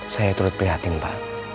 saya turut prihatin pak